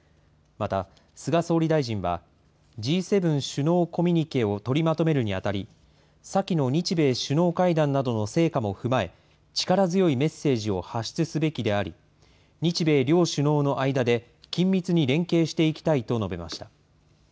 また、菅総理大臣は、Ｇ７首脳コミュニケを取りまとめるにあたり、先の日米首脳会談の成果も踏まえ、力強いメッセージを発出すべきであり、日米両首脳の間で、緊密に連携していきたいと述べました。